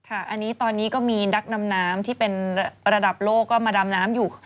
อันนี้ตอนนี้ก็มีนักดำน้ำที่เป็นระดับโลกก็มาดำน้ำอยู่